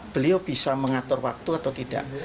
beliau bisa mengatur waktu atau tidak